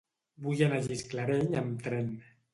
Vull anar a Gisclareny amb tren.